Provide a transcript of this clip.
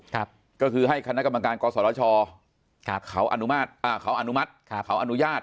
ก็คือให้คณะกรรมการกฎสวทชเขาอนุมัติเขาอนุญาต